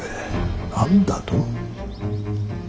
何だと。